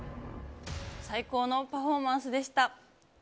最高のパフォーマンスでした。